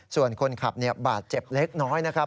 ส่วนคนขับบาดเจ็บเล็กน้อยนะครับ